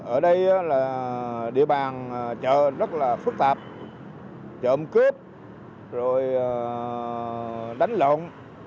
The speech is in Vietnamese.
ở đây là địa bàn chợ rất là phức tạp trộm cướp rồi đánh lộn